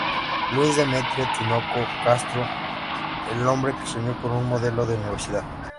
Luis Demetrio Tinoco Castro, el hombre que soñó con un modelo de universidad.